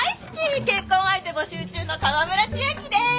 結婚相手募集中の川村千秋です！